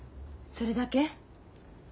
それだけ。